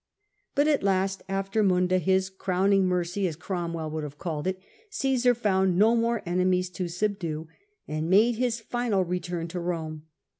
But at last, after Munda, his "crowning mercy," as Cromwell would have called it, Ooesar found no more enemies to subdue, and made his final return to Eome.